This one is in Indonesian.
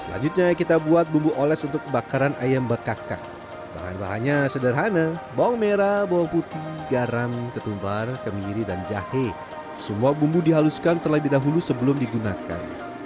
selanjutnya kita buat bumbu oles untuk bakaran ayam bekaka bahan bahannya sederhana bawang merah bawang putih garam ketumbar kemiri dan jahe semua bumbu dihaluskan terlebih dahulu sebelum digunakan